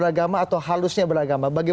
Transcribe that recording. sehingga masyarakat bisa menghadapi hal hal ini